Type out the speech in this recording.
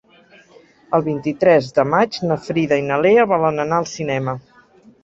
El vint-i-tres de maig na Frida i na Lea volen anar al cinema.